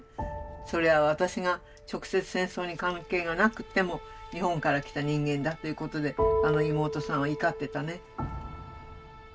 それは私が直接戦争に関係がなくても日本から来た人間だということで妹さんは怒ってたね。